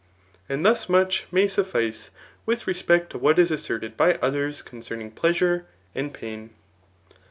And thus much may suffice with respect to what is assorted by others concerning pleasure and pain.